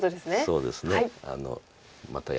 そうですね。